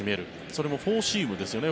それもフォーシームですよね。